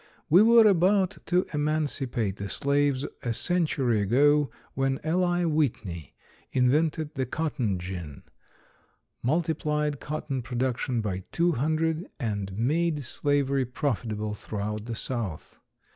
We were about to emancipate the slaves a century ago when Eli Whitney invented the cotton gin, multiplied cotton production by two hundred, and made slavery profitable throughout the South.